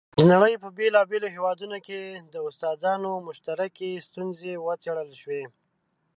د نړۍ په بېلابېلو هېوادونو کې د استادانو مشترکې ستونزې وڅېړل شوې.